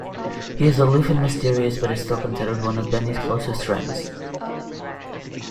He is aloof and mysterious but is still considered one of Benny's closest friends.